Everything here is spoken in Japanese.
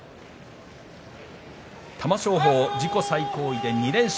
玉正鳳、自己最高位で２連勝。